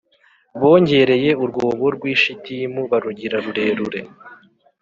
Bongereye urwobo rw’i Shitimu, barugira rurerure,